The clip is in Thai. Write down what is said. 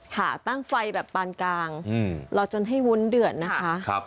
ค่ะตั้งไฟแบบปานกลางรอจนให้วุ้นเดือดนะคะ